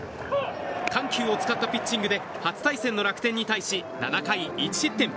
緩急を使ったピッチングで初対戦の楽天に対し７回１失点。